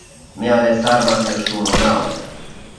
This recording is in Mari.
— Ме але сар марте шуын онал.